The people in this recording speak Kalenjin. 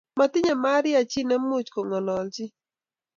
Matinyei Maria chi nemuch ko ng'ololchin